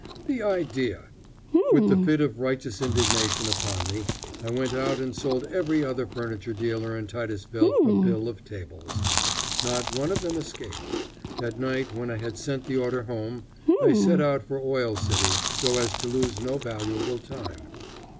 The idea! With the fit of righteous indignation upon me, I went out and sold every other furniture dealer in Titusville a bill of tables; not one of them escaped. At night, when I had sent the order home, I set out for Oil City, so as to lose no valuable time.